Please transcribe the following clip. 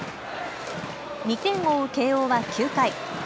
２点を追う慶応は９回。